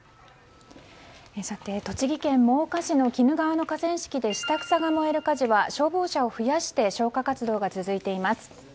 栃木県真岡市の鬼怒川の河川敷で下草が燃える火事は消防車を増やして消火活動が続いています。